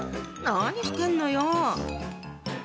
何してんのよ？